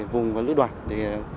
vùng và lưỡi đoàn